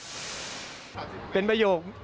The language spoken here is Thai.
ถามพี่เท่งนะคะถามพี่เท่งนะคะถามพี่เท่งนะคะ